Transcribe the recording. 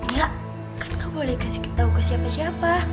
ya kan kamu boleh kasih tahu ke siapa siapa